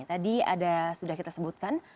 tadi ada sudah kita sebutkan